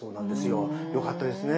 よかったですね